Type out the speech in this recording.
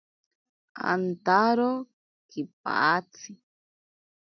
Antaro kipatsi.